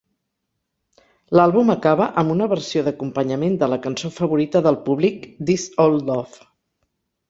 L'àlbum acaba amb una versió d'acompanyament de la cançó favorita del públic "This Old Love".